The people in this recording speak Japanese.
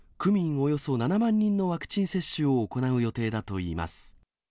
およそ７万人のワクチン接種を行う予定だといいます。